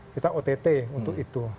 kita ott untuk itu